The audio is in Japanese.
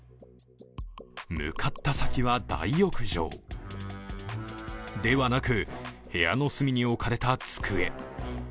向かった先は、大浴場ではなく部屋の隅に置かれた机。